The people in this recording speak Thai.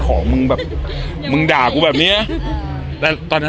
เรื่องจริงคือเพื่อนโทรมา